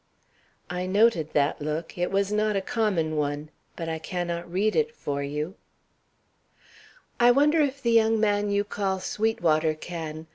"I noted that look. It was not a common one. But I cannot read it for you " "I wonder if the young man you call Sweetwater can.